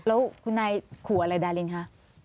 แล้วคุณนายขู่อะไรดารินคะ